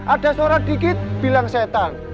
ada suara dikit bilang setan